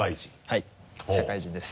はい社会人です。